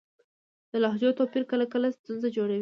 د لهجو توپیر کله کله ستونزه جوړوي.